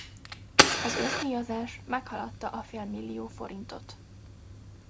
Az összdíjazás meghaladta a félmillió forintot.